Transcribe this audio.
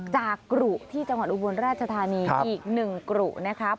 กรุที่จังหวัดอุบลราชธานีอีกหนึ่งกรุนะครับ